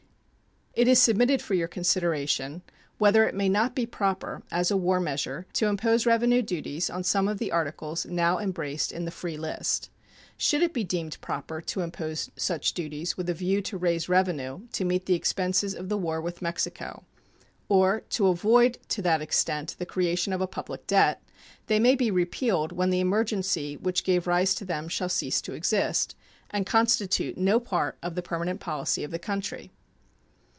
It is submitted for your consideration whether it may not be proper, as a war measure, to impose revenue duties on some of the articles now embraced in the free list. Should it be deemed proper to impose such duties with a view to raise revenue to meet the expenses of the war with Mexico or to avoid to that extent the creation of a public debt, they may be repealed when the emergency which gave rise to them shall cease to exist, and constitute no part of the permanent policy of the country.